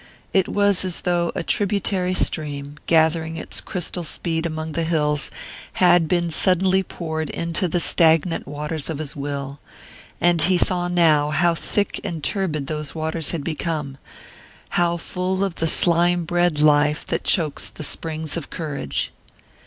It was as though a tributary stream, gathering its crystal speed among the hills, had been suddenly poured into the stagnant waters of his will; and he saw now how thick and turbid those waters had become how full of the slime bred life that chokes the springs of courage.